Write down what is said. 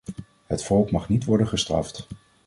Het volk mag niet worden gestraft.